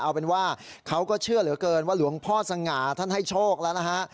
เอาเป็นว่าเขาก็เชื่อเหลือเกินว่าหลวงพ่อสง่าท่านให้โชคแล้วนะฮะ